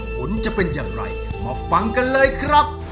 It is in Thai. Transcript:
ผลจะเป็นอย่างไรมาฟังกันเลยครับ